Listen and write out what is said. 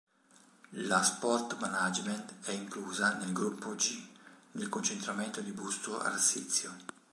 La Sport Management è inclusa nel Gruppo G, nel concentramento di Busto Arsizio.